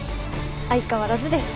相変わらずです。